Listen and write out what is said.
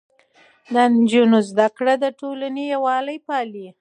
د نجونو زده کړه د ټولنې يووالی پالي.